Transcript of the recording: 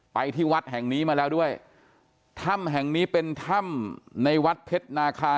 ที่วัดแห่งนี้มาแล้วด้วยถ้ำแห่งนี้เป็นถ้ำในวัดเพชรนาคา